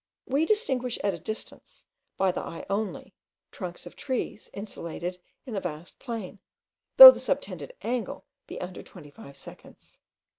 We distinguish at a distance, by the eye only, trunks of trees insulated in a vast plain, though the subtended angle be under twenty five seconds.